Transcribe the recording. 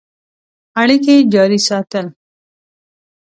اړیکي جاري ساتل.